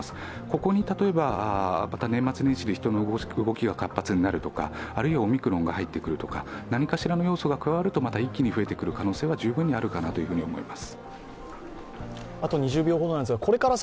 ここに例えば、また年末年始で人の動きが活発になるとか、オミクロンが入ってくるとか何かしらの要素が加わるとまた一気に増えてくる可能性は十分にあると思います。